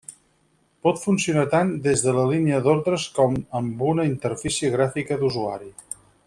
Pot funcionar tant des de la línia d'ordres com amb una interfície gràfica d'usuari.